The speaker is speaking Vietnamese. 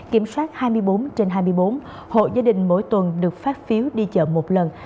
kiểm soát hai mươi bốn trên hai mươi bốn hộ gia đình mỗi tuần được phát phiếu đi chợ một lần